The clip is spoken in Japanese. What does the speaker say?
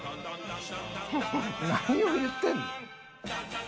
何を言ってるの？